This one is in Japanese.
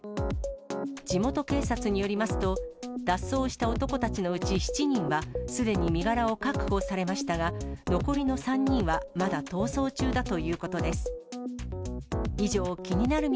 地元警察によりますと、脱走した男たちのうち７人は、すでに身柄を確保されましたが、残りの３人はまだ逃走中だということです。